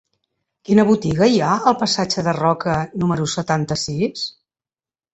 Quina botiga hi ha al passatge de Roca número setanta-sis?